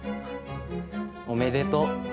おめでとう。